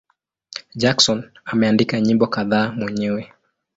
Jackson ameandika nyimbo kadhaa mwenyewe.